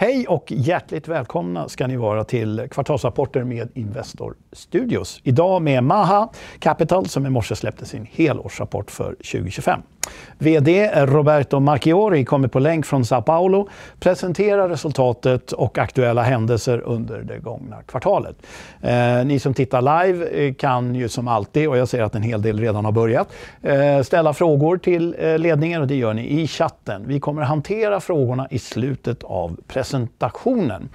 Hej, hjärtligt välkomna ska ni vara till kvartalsrapporter med Investor Studios. Idag med Maha Capital, som i morse släppte sin helårsrapport för 2025. VD Roberto Marchiori kommer på länk från São Paulo, presenterar resultatet och aktuella händelser under det gångna kvartalet. Ni som tittar live kan ju som alltid, och jag ser att en hel del redan har börjat, ställa frågor till ledningen, och det gör ni i chatten. Vi kommer hantera frågorna i slutet av presentationen.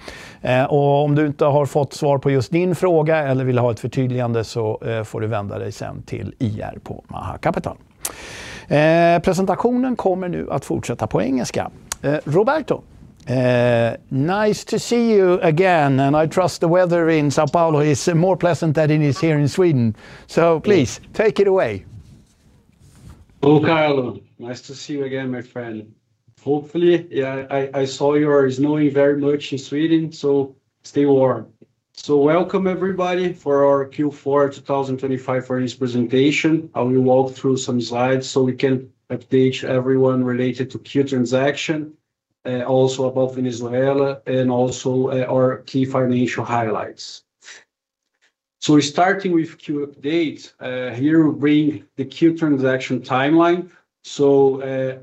Om du inte har fått svar på just din fråga eller vill ha ett förtydligande, så får du vända dig sedan till IR på Maha Capital. Presentationen kommer nu att fortsätta på engelska. Roberto, nice to see you again. I trust the weather in São Paulo is more pleasant than it is here in Sweden. Please take it away. Hello, Carlo. Nice to see you again, my friend. I saw you are snowing very much in Sweden, so stay warm. Welcome everybody for our Q4 2025 earnings presentation. I will walk through some slides so we can update everyone related to KEO transaction, also about Venezuela and also our key financial highlights. We're starting with KEO update. Here we bring the KEO transaction timeline.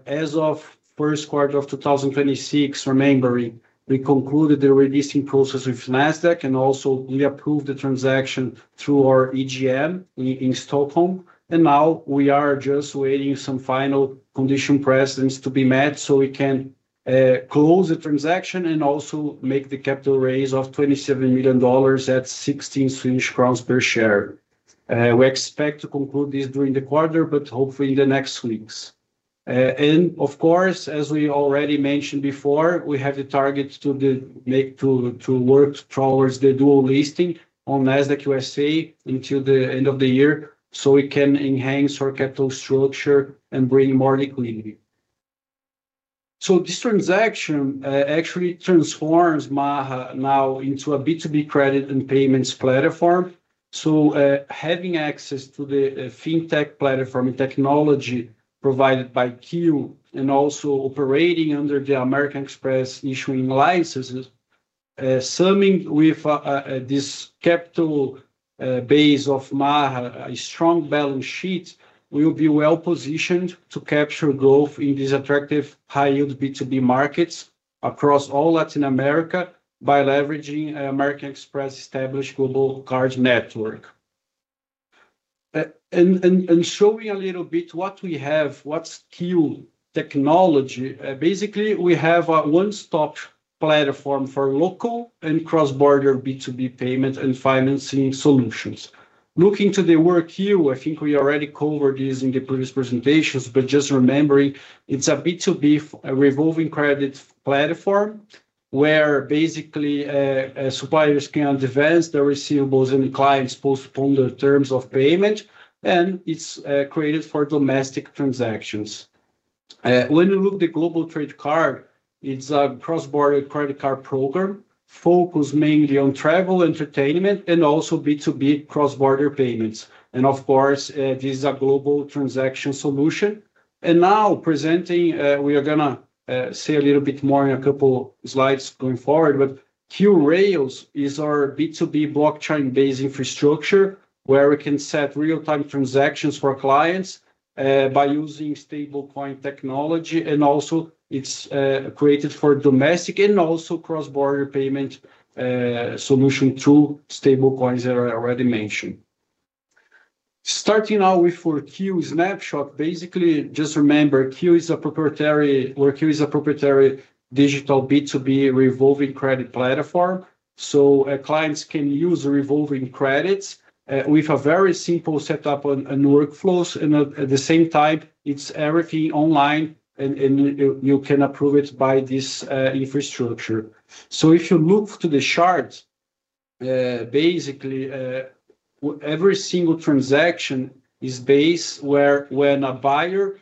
As of first quarter of 2026, remembering, we concluded the releasing process with Nasdaq and also we approved the transaction through our EGM in Stockholm. Now we are just waiting some final condition precedents to be met so we can close the transaction and also make the capital raise of $27 million at 16 Swedish crowns per share. We expect to conclude this during the quarter, but hopefully in the next weeks. Of course, as we already mentioned before, we have the target to work towards the dual listing on Nasdaq USA until the end of the year, so we can enhance our capital structure and bring more liquidity. This transaction actually transforms Maha now into a B2B credit and payments platform. Having access to the fintech platform and technology provided by KEO and also operating under the American Express issuing licenses, summing with this capital base of Maha, a strong balance sheet, we will be well positioned to capture growth in these attractive, high-yield B2B markets across all Latin America by leveraging American Express' established global card network. And showing a little bit what we have, what's KEO technology? Basically, we have a one-stop platform for local and cross-border B2B payment and financing solutions. Looking to the work here, I think we already covered this in the previous presentations, but just remembering, it's a B2B revolving credit platform, where basically, suppliers can advance their receivables and clients postpone the terms of payment, and it's created for domestic transactions. When you look the Global Trade Card, it's a cross-border credit card program focused mainly on travel, entertainment, and also B2B cross-border payments. Of course, this is a global transaction solution. Now presenting, we are gonna say a little bit more in a couple slides going forward. KEO Rails is our B2B blockchain-based infrastructure, where we can set real-time transactions for clients by using stablecoin technology, and also it's created for domestic and also cross-border payment solution through stablecoins that I already mentioned. Starting out with 4Q snapshot, basically, just remember, KEO is a proprietary digital B2B revolving credit platform. Clients can use revolving credits with a very simple setup and workflows, and at the same time, it's everything online and you can approve it by this infrastructure. If you look to the chart, basically, every single transaction is based where when a buyer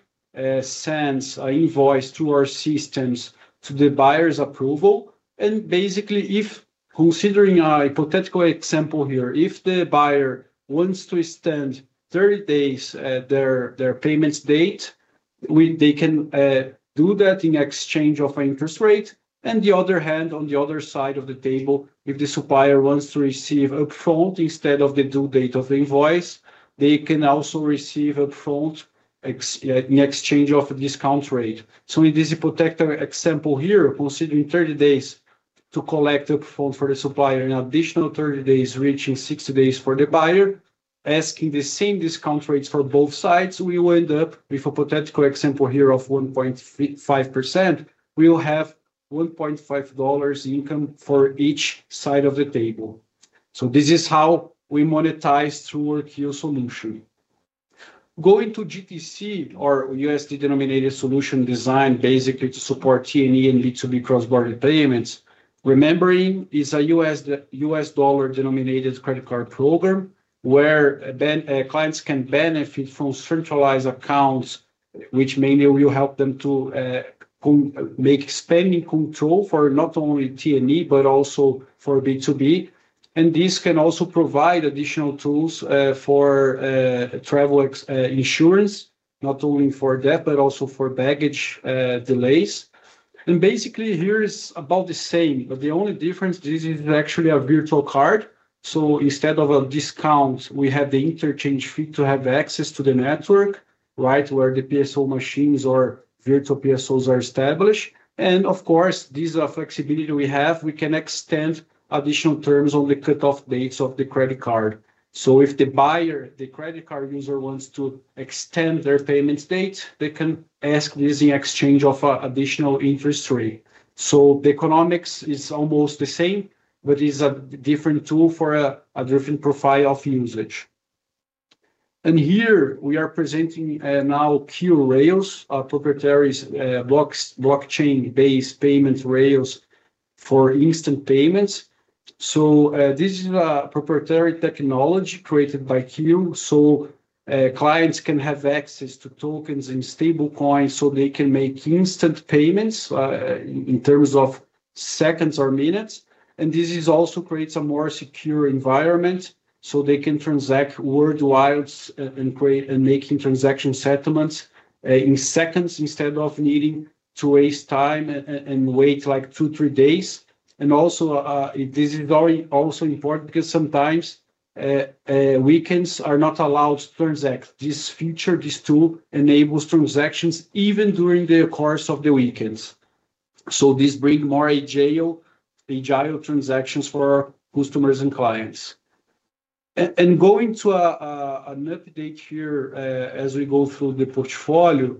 sends an invoice to our systems to the buyer's approval. Basically, if considering a hypothetical example here, if the buyer wants to extend 30 days, their payments date, they can do that in exchange of an interest rate. On the other hand, on the other side of the table, if the supplier wants to receive upfront instead of the due date of the invoice, they can also receive upfront in exchange of a discount rate. In this hypothetical example here, considering 30 days to collect upfront for the supplier, an additional 30 days, reaching 60 days for the buyer, asking the same discount rates for both sides, we will end up with a hypothetical example here of 1.5%. We will have $1.5 income for each side of the table. This is how we monetize through WorKEO solution. Going to GTC, our USD-denominated solution design, basically to support T&E and B2B cross-border payments. Remembering, is a U.S. dollar-denominated credit card program, where clients can benefit from centralized accounts, which mainly will help them to make spending control for not only T&E, but also for B2B. This can also provide additional tools for travel insurance, not only for death, but also for baggage delays. Basically, here is about the same, but the only difference, this is actually a virtual card. Instead of a discount, we have the interchange fee to have access to the network, right, where the POS machines or virtual POS are established. Of course, these are flexibility we have. We can extend additional terms on the cutoff dates of the credit card. If the buyer, the credit card user, wants to extend their payment date, they can ask this in exchange of additional interest rate. The economics is almost the same, but is a different tool for a different profile of usage. Here we are presenting now KEO Rails, our proprietary blockchain-based payment rails for instant payments. This is a proprietary technology created by KEO. Clients can have access to tokens and stablecoins, so they can make instant payments in terms of seconds or minutes. This is also creates a more secure environment, so they can transact worldwide, and create, and making transaction settlements in seconds, instead of needing to waste time and wait, like, two, three days. Also, this is very also important because sometimes, weekends are not allowed to transact. This feature, this tool, enables transactions even during the course of the weekends. This bring more agile transactions for customers and clients. Going to an update here, as we go through the portfolio,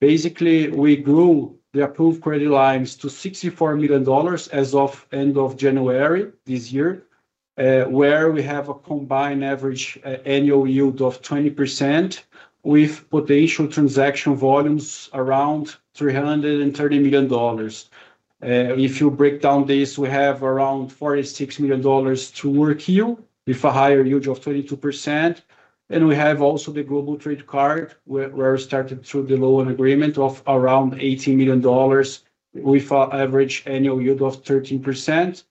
basically, we grew the approved credit lines to $64 million as of end of January this year, where we have a combined average annual yield of 20%, with potential transaction volumes around $330 million. If you break down this, we have around $46 million WorKEO, with a higher yield of 22%, and we have also the Global Trade Card, where we started through the loan agreement of around $18 million, with an average annual yield of 13%.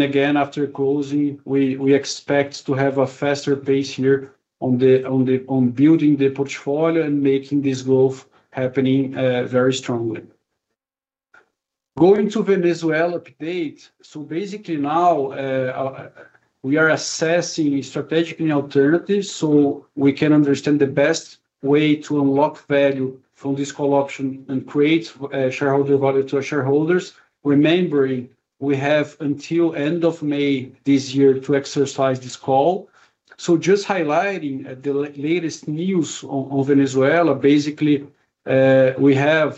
Again, after closing, we expect to have a faster pace here on building the portfolio and making this growth happening very strongly. Going to Venezuela update. Basically now, we are assessing strategic alternatives, we can understand the best way to unlock value from this call option and create shareholder value to our shareholders. Remembering, we have until end of May this year to exercise this call. Just highlighting the latest news on Venezuela. Basically, we have,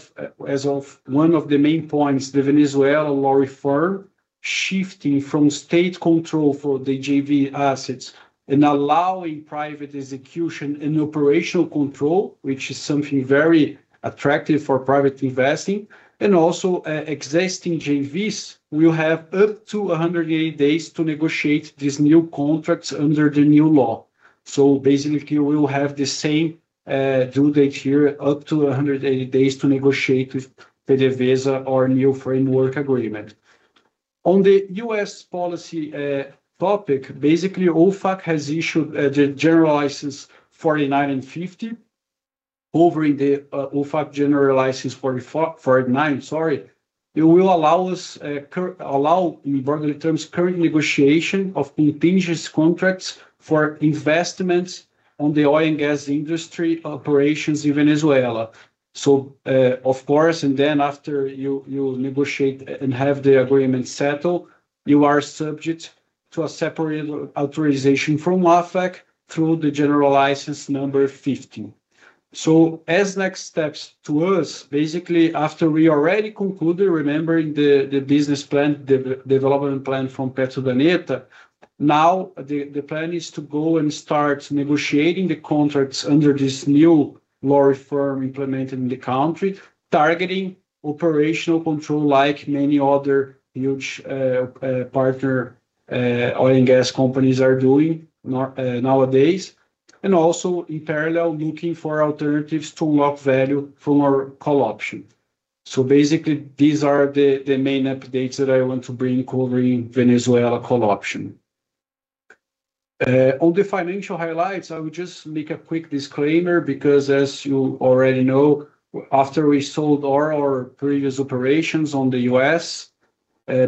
as of one of the main points, the Venezuela law reform, shifting from state control for the JV assets and allowing private execution and operational control, which is something very attractive for private investing. Also, existing JVs will have up to 180 days to negotiate these new contracts under the new law. Basically, we will have the same due date here, up to 180 days to negotiate with PDVSA our new framework agreement. On the U.S. policy topic, basically, OFAC has issued General License 49 and 50 over the OFAC General License 49, sorry. It will allow us allow, in broader terms, current negotiation of contingent contracts for investments on the oil and gas industry operations in Venezuela. Of course, and then after you negotiate and have the agreement settled, you are subject to a separate authorization from OFAC through the General License No. 50. As next steps to us, basically, after we already concluded, remembering the business plan, the development plan from PetroUrdaneta, now the plan is to go and start negotiating the contracts under this new law reform implemented in the country, targeting operational control like many other huge partner oil and gas companies are doing nowadays, and also in parallel, looking for alternatives to unlock value from our call option. Basically, these are the main updates that I want to bring covering Venezuela call option. On the financial highlights, I will just make a quick disclaimer, because as you already know, after we sold all our previous operations in the U.S.,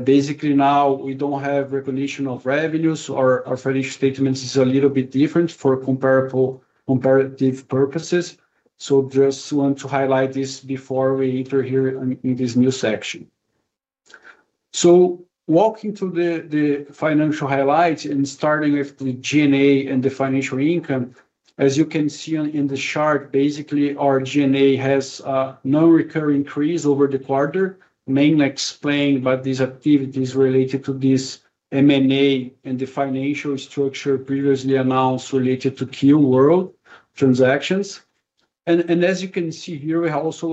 basically now we don't have recognition of revenues. Our financial statements is a little bit different for comparative purposes. Just want to highlight this before we enter here in this new section. Walking through the financial highlights and starting with the G&A and the financial income, as you can see in the chart, basically, our G&A has no recurring increase over the quarter, mainly explained by these activities related to this M&A and the financial structure previously announced related to KEO World transactions. As you can see here, we also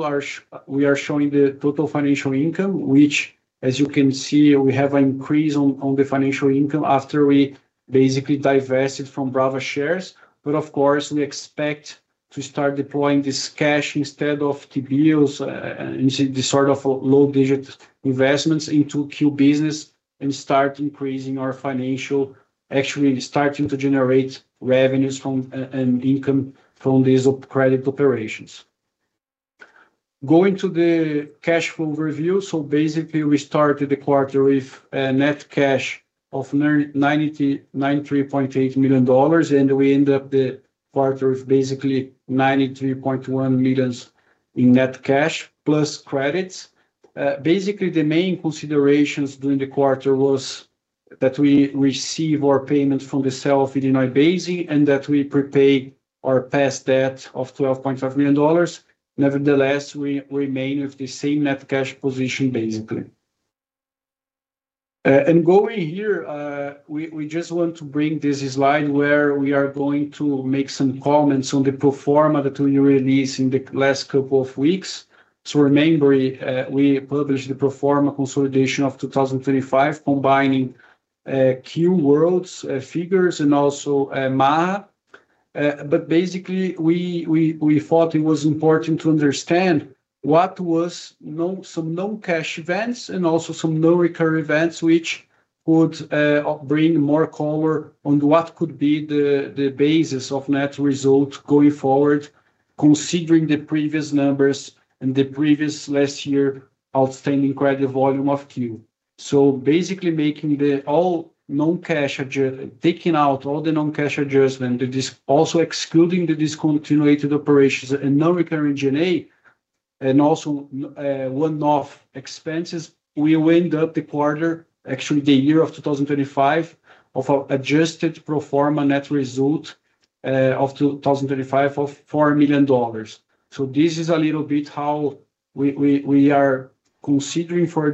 we are showing the total financial income, which, as you can see, we have an increase on the financial income after we basically divested from Brava shares. Of course, we expect to start deploying this cash instead of T-bills and this sort of low-digit investments into KEO business and start increasing our financial, actually starting to generate revenues from, and income from these credit operations. Going to the cash flow review. Basically, we started the quarter with net cash of $93.8 million, and we end up the quarter with basically $93.1 million in net cash plus credits. Basically, the main considerations during the quarter was that we receive our payment from the sale of Illinois Basin, and that we prepay our past debt of $12.5 million. Nevertheless, we remain with the same net cash position, basically. Going here, we just want to bring this slide where we are going to make some comments on the pro forma that we released in the last couple of weeks. Remember, we published the pro forma consolidation of 2025, combining KEO World's figures and also Maha. Basically, we thought it was important to understand what was some non-cash events and also some non-recurring events, which would bring more color on what could be the basis of net result going forward, considering the previous numbers and the previous last year, outstanding credit volume of KEO. Basically taking out all the non-cash adjustment, and this also excluding the discontinued operations and non-recurring G&A, and also one-off expenses, we wind up the quarter, actually, the year of 2025, of a adjusted pro forma net result of 2025 of $4 million. This is a little bit how we are considering for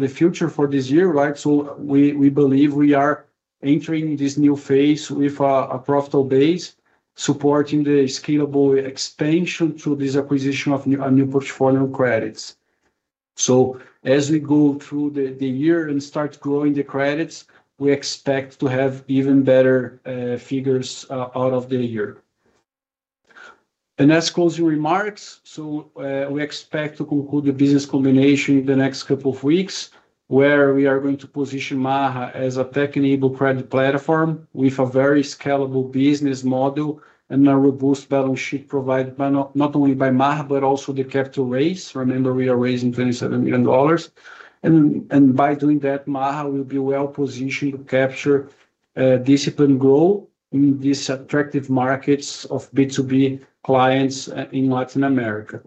the future, for this year, right? We believe we are entering this new phase with a profitable base, supporting the scalable expansion through this acquisition of a new portfolio credits. As we go through the year and start growing the credits, we expect to have even better figures out of the year. As closing remarks, we expect to conclude the business combination in the next couple of weeks, where we are going to position Maha as a tech-enabled credit platform with a very scalable business model and a robust balance sheet provided by not only by Maha, but also the capital raise. Remember, we are raising $27 million, and by doing that, Maha will be well positioned to capture discipline growth in these attractive markets of B2B clients in Latin America.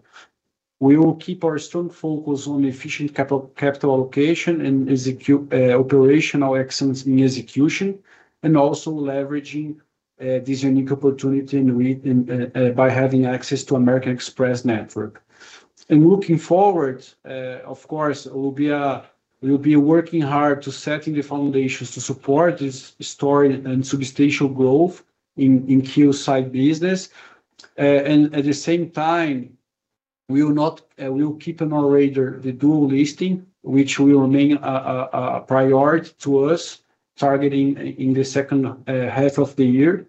We will keep our strong focus on efficient capital allocation and execute operational excellence in execution, and also leveraging this unique opportunity and by having access to American Express network. Looking forward, of course, we'll be working hard to setting the foundations to support this historic and substantial growth in KEO side business. At the same time, we will keep on our radar the dual listing, which will remain a priority to us, targeting in the second half of the year,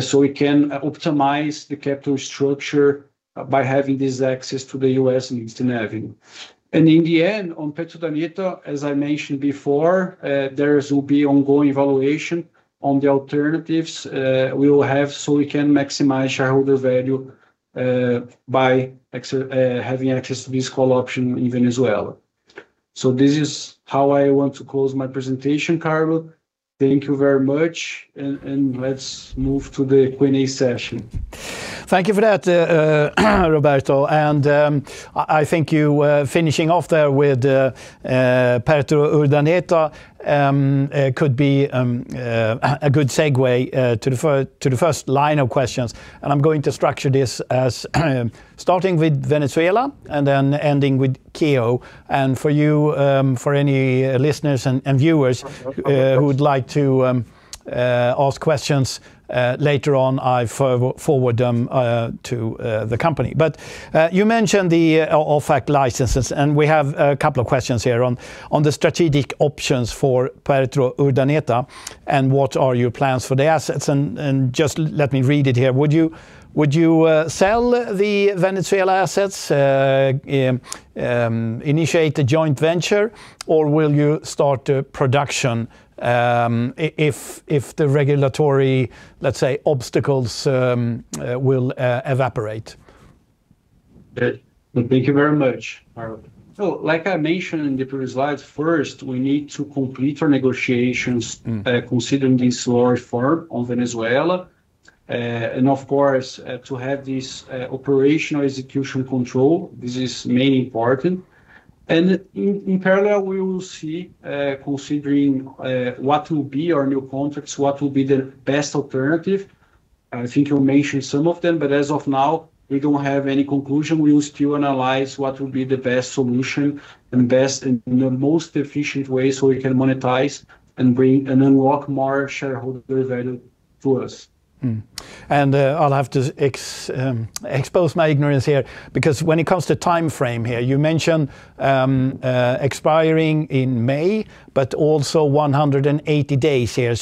so we can optimize the capital structure by having this access to the U.S. and Eastern Avenue. In the end, on PetroUrdaneta, as I mentioned before, there will be ongoing evaluation on the alternatives we will have, so we can maximize shareholder value by having access to this call option in Venezuela. This is how I want to close my presentation, Carlo. Thank you very much, and let's move to the Q&A session. Thank you for that, Roberto. I thank you, finishing off there with PetroUrdaneta, could be a good segue to the first line of questions. I'm going to structure this as starting with Venezuela and then ending with KEO. For you, for any listeners and viewers who would like to ask questions later on, I forward them to the company. You mentioned the OFAC licenses, we have a couple of questions here on the strategic options for PetroUrdaneta, what are your plans for the assets? Just let me read it here. Would you sell the Venezuela assets, initiate a joint venture, or will you start a production if the regulatory, let's say, obstacles will evaporate? Thank you very much, Carlo. Like I mentioned in the previous slides, first, we need to complete our negotiations. Considering this law reform on Venezuela, and of course, to have this operational execution control, this is mainly important. In parallel, we will see, considering what will be our new contracts, what will be the best alternative. I think you mentioned some of them, but as of now, we don't have any conclusion. We will still analyze what will be the best solution and the most efficient way so we can monetize and bring, and unlock more shareholder value to us. I'll have to expose my ignorance here, because when it comes to timeframe here, you mentioned expiring in May, but also 180 days here.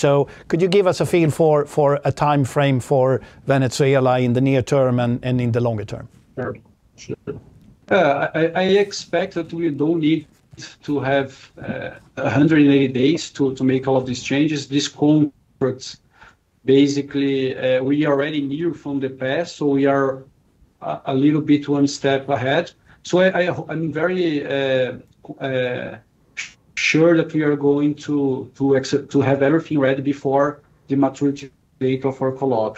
Could you give us a feel for a timeframe for Venezuela in the near term and in the longer term? Sure. Sure. I expect that we don't need to have 180 days to make all of these changes. These contracts, basically, we already knew from the past, we are a little bit one step ahead. I'm very sure that we are going to have everything ready before the maturity date of our call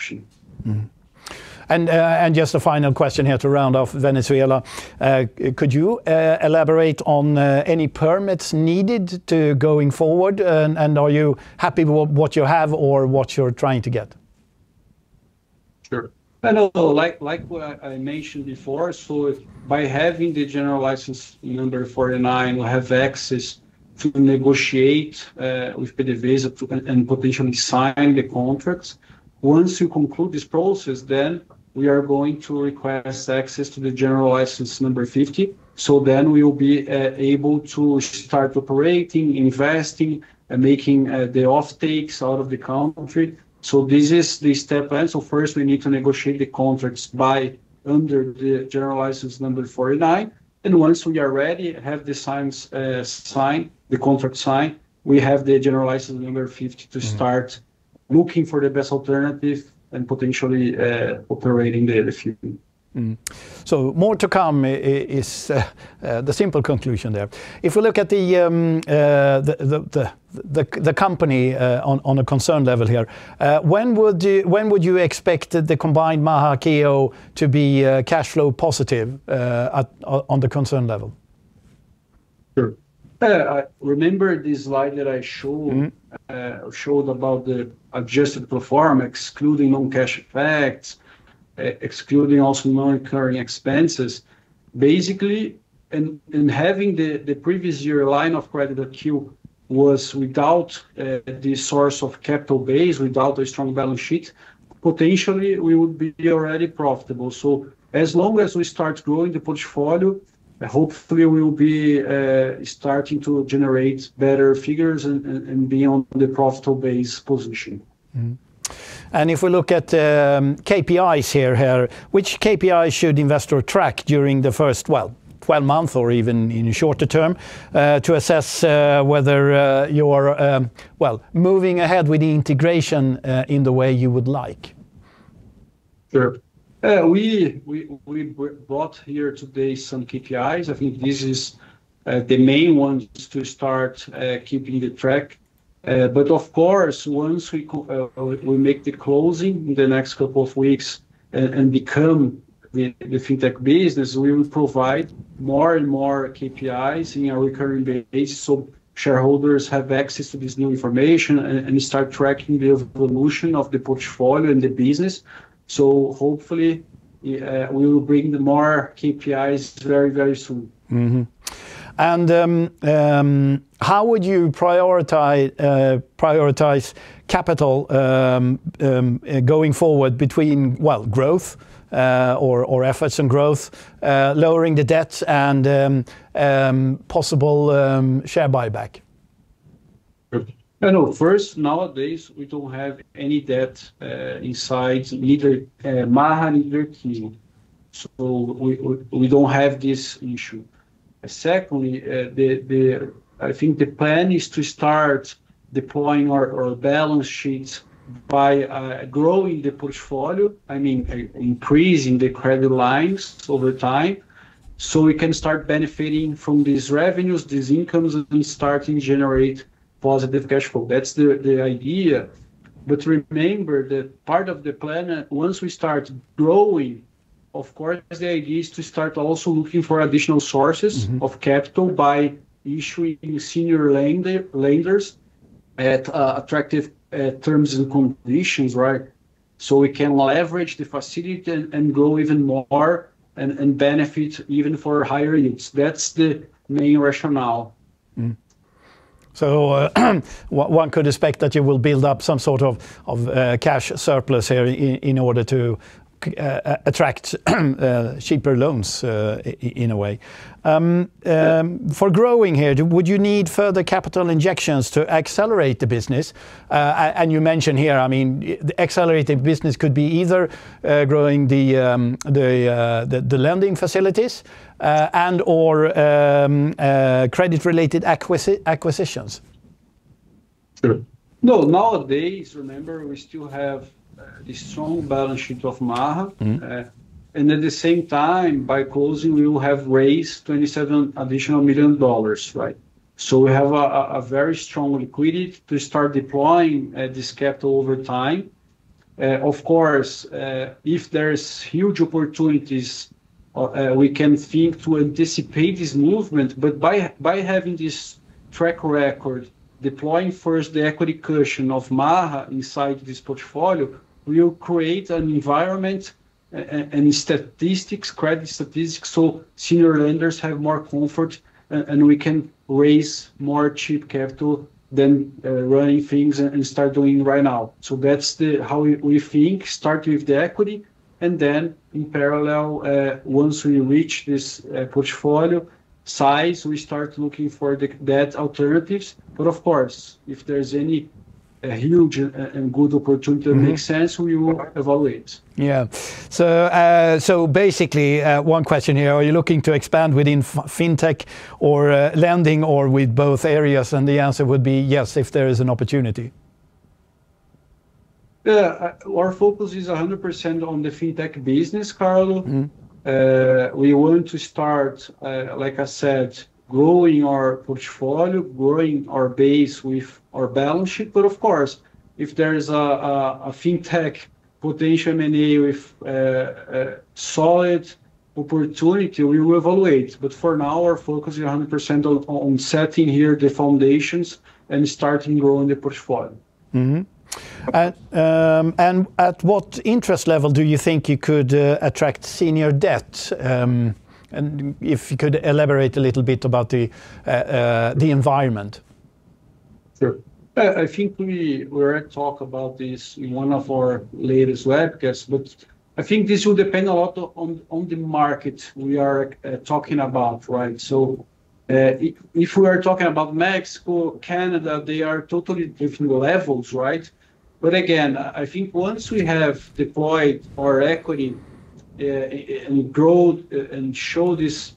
option. Just a final question here to round off Venezuela. Could you elaborate on any permits needed to going forward? Are you happy with what you have or what you're trying to get? Sure. I know, like, what I mentioned before, by having General License No. 49, we have access to negotiate with PDVSA too, and potentially sign the contracts. Once you conclude this process, we are going to request access to General License No. 50, we will be able to start operating, investing, and making the offtakes out of the country. This is the step plan. First, we need to negotiate the contracts by under General License No. 49, and once we are ready, have the signs signed, the contract signed, we have General License No. 50 to start looking for the best alternative and potentially, operating there. More to come is the simple conclusion there. We look at the company on a concern level here, when would you expect the combined Maha KEO to be cash flow positive on the concern level? Sure. Remember this slide that I showed showed about the adjusted pro forma, excluding non-cash effects, excluding also non-recurring expenses, basically, and having the previous year line of credit at KEO was without the source of capital base, without a strong balance sheet, potentially we would be already profitable. As long as we start growing the portfolio, hopefully we will be starting to generate better figures and be on the profitable base position. If we look at KPIs here, which KPIs should investor track during the first, well, 12 month or even in shorter term, to assess whether you're, well, moving ahead with the integration in the way you would like? Sure. We brought here today some KPIs. I think this is the main ones to start keeping the track. Of course, once we make the closing in the next couple of weeks and become the fintech business, we will provide more and more KPIs in a recurring basis, so shareholders have access to this new information and start tracking the evolution of the portfolio and the business. Hopefully, we will bring the more KPIs very, very soon. How would you prioritize capital going forward between, well, growth, or efforts and growth, lowering the debt and possible share buyback? Sure. I know, first, nowadays, we don't have any debt, inside, neither, Maha, neither KEO. We don't have this issue. Secondly, the, I think the plan is to start deploying our balance sheets by, growing the portfolio. I mean, increasing the credit lines over time, so we can start benefiting from these revenues, these incomes, and starting to generate positive cash flow. That's the idea. Remember that part of the plan, once we start growing, of course, the idea is to start also looking for additional sources of capital by issuing senior lenders at attractive terms and conditions, right? We can leverage the facility and grow even more and benefit even for higher yields. That's the main rationale. One, one could expect that you will build up some sort of cash surplus here in order to attract cheaper loans in a way. For growing here, would you need further capital injections to accelerate the business? And you mentioned here, I mean, the accelerated business could be either growing the lending facilities, and/or credit-related acquisitions. Sure. No, nowadays, remember, we still have the strong balance sheet of Maha. At the same time, by closing, we will have raised $27 million additional, right? We have a very strong liquidity to start deploying this capital over time. Of course, if there is huge opportunities, we can think to anticipate this movement, but by having this track record, deploying first the equity cushion of Maha inside this portfolio, we will create an environment and statistics, credit statistics, so senior lenders have more comfort and we can raise more cheap capital than running things and start doing right now. That's how we think. Start with the equity, and then in parallel, once we reach this portfolio size, we start looking for the debt alternatives. Of course, if there's any, a huge and good opportunity that makes sense, we will evaluate. Basically, one question here, are you looking to expand within fintech or lending, or with both areas? The answer would be yes, if there is an opportunity. Yeah, our focus is 100% on the fintech business, Carlo. We want to start, like I said, growing our portfolio, growing our base with our balance sheet. Of course, if there is a fintech potential M&A with a solid opportunity, we will evaluate. For now, our focus is 100% on setting here the foundations and starting growing the portfolio. At what interest level do you think you could attract senior debt? If you could elaborate a little bit about the environment. Sure. I think we already talk about this in one of our latest webcasts, but I think this will depend a lot on the market we are talking about, right? If we are talking about Mexico, Canada, they are totally different levels, right? Again, I think once we have deployed our equity, and growth and show this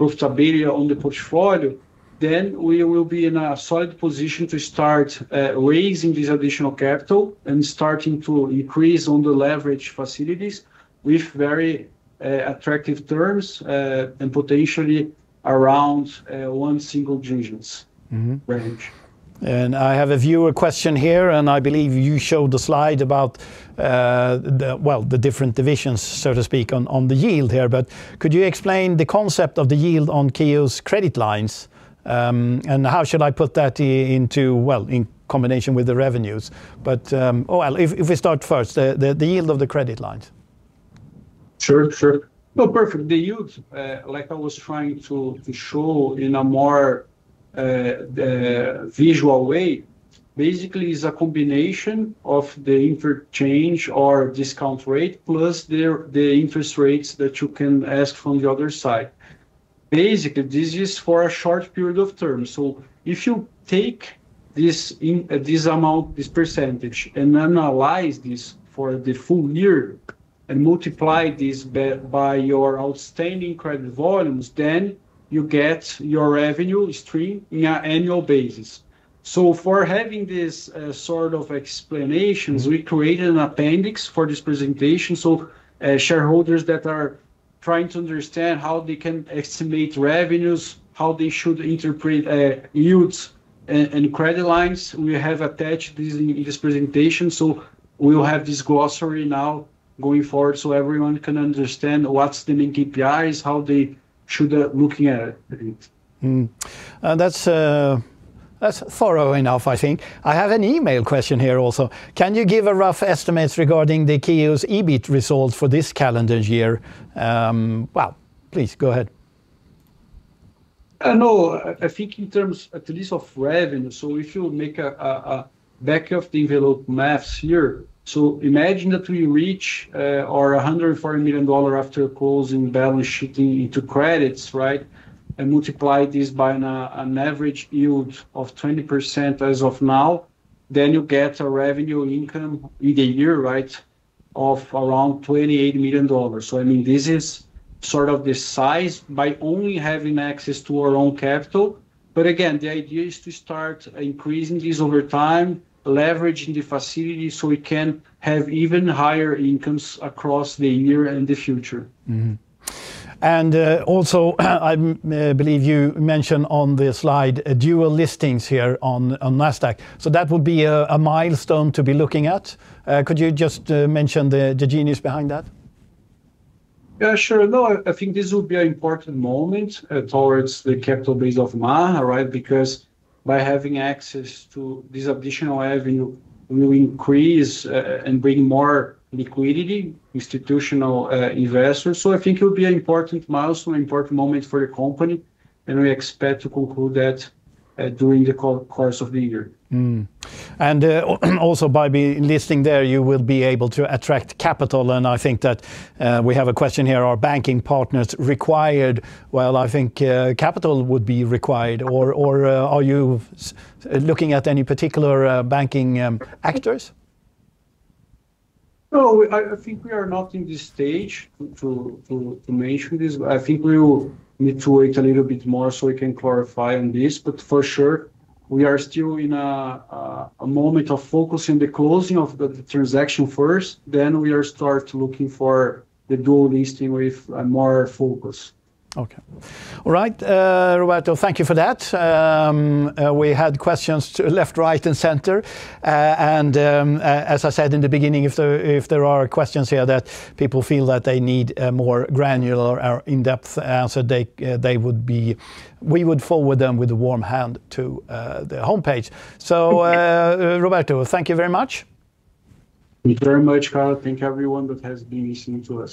profitability on the portfolio, then we will be in a solid position to start raising this additional capital and starting to increase on the leverage facilities with very attractive terms, and potentially around one single digits range. I have a viewer question here, and I believe you showed the slide about the, well, the different divisions, so to speak, on the yield here. Could you explain the concept of the yield on KEO's credit lines? How should I put that into, well, in combination with the revenues, but, well, if we start first, the yield of the credit lines. Sure. Well, perfect. The yields, like I was trying to show in a more visual way, basically is a combination of the interchange or discount rate, plus the interest rates that you can ask from the other side. This is for a short period of term. If you take this amount, this percentage, and analyze this for the full year, and multiply this by your outstanding credit volumes, you get your revenue stream in an annual basis. For having this sort of explanations we created an appendix for this presentation. Shareholders that are trying to understand how they can estimate revenues, how they should interpret yields and credit lines, we have attached this in this presentation. we will have this glossary now going forward, so everyone can understand what's the main KPIs, how they should looking at it. Mm-hmm. That's thorough enough, I think. I have an email question here also. "Can you give a rough estimate regarding the KEO's EBIT results for this calendar year?" Well, please go ahead. No, I think in terms at least of revenue, if you make a back of the envelope maths here, imagine that we reach our $140 million after closing balance sheet into credits, right? Multiply this by an average yield of 20% as of now, then you get a revenue income in a year, right, of around $28 million. I mean, this is sort of the size by only having access to our own capital. Again, the idea is to start increasing this over time, leveraging the facility, so we can have even higher incomes across the year and the future. Also, I believe you mentioned on the slide, dual listings here on Nasdaq. That would be a milestone to be looking at. Could you just mention the genius behind that? I think this will be an important moment towards the capital base of Maha, right? Because by having access to this additional avenue, we will increase and bring more liquidity, institutional investors. I think it will be an important milestone, important moment for the company, and we expect to conclude that during the course of the year. Also, by listing there, you will be able to attract capital. I think that we have a question here, "Are banking partners required?" I think capital would be required, or, are you looking at any particular banking actors? I think we are not in this stage to mention this, but I think we will need to wait a little bit more so we can clarify on this. For sure, we are still in a moment of focusing the closing of the transaction first, then we are start looking for the dual listing with more focus. Okay. All right, Roberto, thank you for that. We had questions to left, right, and center, as I said in the beginning, if there are questions here that people feel that they need a more granular or in-depth answer, they would forward them with a warm hand to the homepage. Roberto, thank you very much. Thank you very much, Carlo. Thank everyone that has been listening to us.